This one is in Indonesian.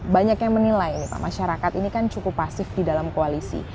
banyak yang menilai nih pak masyarakat ini kan cukup pasif di dalam koalisi